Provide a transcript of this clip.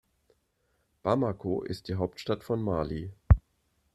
Bamako ist die Hauptstadt von Mali.